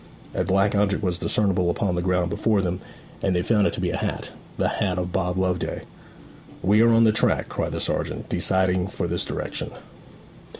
A black object was discernible upon the ground before them, and they found it to be a hat the hat of Bob Loveday. 'We are on the track,' cried the sergeant, deciding for this direction.